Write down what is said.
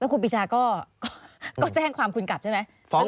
ครูปีชาก็แจ้งความคุณกลับใช่ไหม